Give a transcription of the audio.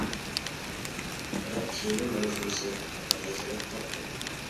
بىراق تېما ماۋزۇسى خاتا يېزىلىپ قاپتۇ.